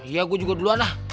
ya gue juga duluan lah